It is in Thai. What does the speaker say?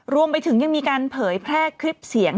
รวมไปถึงยังมีการเผยแพร่คลิปเสียง